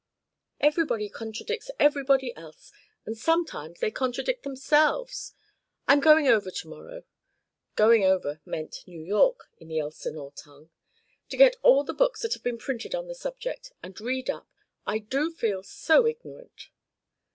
Everybody contradicts everybody else, and sometimes they contradict themselves. I'm going over to morrow" ("going over" meant New York in the Elsinore tongue) "and get all the books that have been printed on the subject, and read up. I do feel so ignorant."